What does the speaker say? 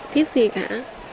thiết gì cả